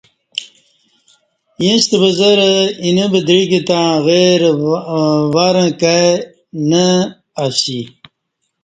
ییݩستہ بزرہ اینہ ودعیک تݩع غیر ورں کائی نہ اسی